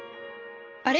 あれ？